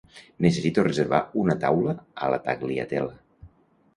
Necessito reservar una taula a la Tagliatella.